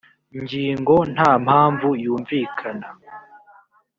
ngingo nta mpamvu yumvikana